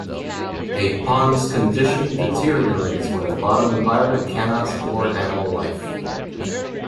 A pond's condition deteriorates when the bottom environment cannot support animal life.